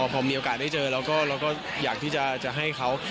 พอมีโอกาสได้เจอเราก็อยากที่จะให้เขา